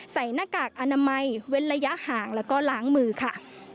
หน้ากากอนามัยเว้นระยะห่างแล้วก็ล้างมือค่ะ